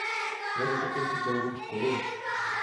Vedl také fotbalovou školu.